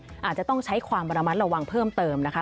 อาจจะต้องใช้ความระมัดระวังเพิ่มเติมนะคะ